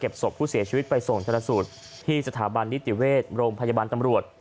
ศพผู้เสียชีวิตไปส่งชนสูตรที่สถาบันนิติเวชโรงพยาบาลตำรวจ